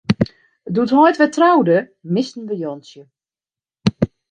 Doe't heit wer troude, misten we Jantsje.